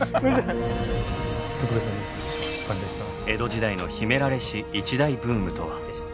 江戸時代の秘められし一大ブームとは？